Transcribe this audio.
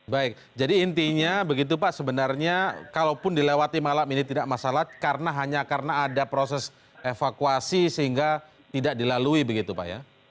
baik jadi intinya begitu pak sebenarnya kalaupun dilewati malam ini tidak masalah karena hanya karena ada proses evakuasi sehingga tidak dilalui begitu pak ya